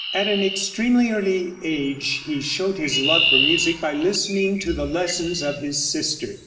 At an extremely early age he showed his love for music by listening to the lessons of his sister.